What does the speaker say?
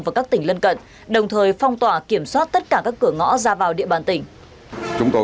và các tỉnh lân cận đồng thời phong tỏa kiểm soát tất cả các cửa ngõ ra vào địa bàn tỉnh